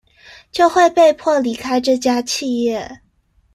就會被迫離開這家企業